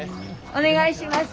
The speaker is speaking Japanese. お願いします。